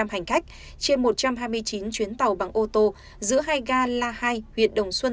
ba mươi sáu hai trăm ba mươi năm hành khách trên một trăm hai mươi chín chuyến tàu bằng ô tô giữa hai ga la hai huyện đồng xuân